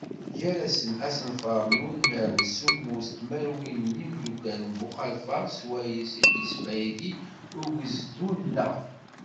Gar-asen: Asenfar n unnar n semmus tmerwin n yimukan n Buxalfa, swayes i d-yesfaydi ugezdu-nneɣ.